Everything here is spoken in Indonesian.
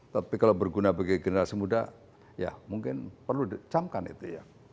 tapi kalau berguna bagi generasi muda ya mungkin perlu dicamkan itu ya